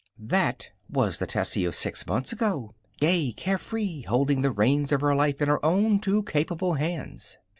That was the Tessie of six months ago, gay, carefree, holding the reins of her life in her own two capable hands.